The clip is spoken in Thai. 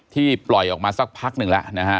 ปล่อยออกมาสักพักหนึ่งแล้วนะฮะ